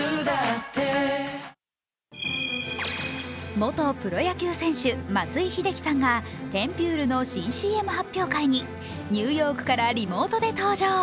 元プロ野球選手、松井秀喜さんがテンピュールの新ＣＭ発表会にニューヨークからリモートで登場。